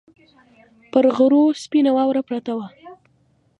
پر غرو سپینه واوره پرته وه